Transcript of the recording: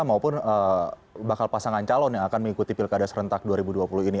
maupun bakal pasangan calon yang akan mengikuti pilkada serentak dua ribu dua puluh ini